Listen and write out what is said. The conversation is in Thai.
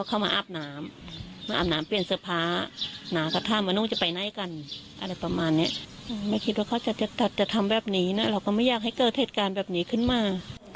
ก็ไม่อยากให้เกิดเหตุการณ์แบบนี้ขึ้นมา